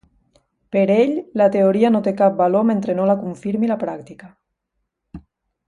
Per ell, la teoria no té cap valor mentre no la confirmi la pràctica.